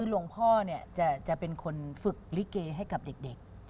หลวงพ่อจะเป็นคนฝึกลิเกให้กับเด็ก